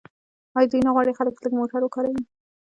آیا دوی نه غواړي خلک لږ موټر وکاروي؟